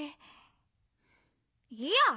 いいや！